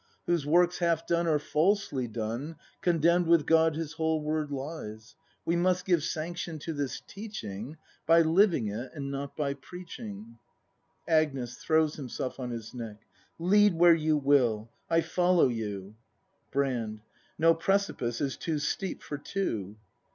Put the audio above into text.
Whose work's half done or falsely done, Condemn'd with God his whole word lies. We must give sanction to this teaching By living it and not by preaching. Agnes. [Throivs herself on his jiecJc.] Lead where you will; I follow you! Brand. No precipice is too steep for two.